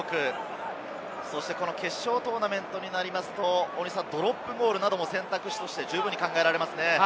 決勝トーナメントになりますと、ドロップゴールなども選択肢として考えられますよね。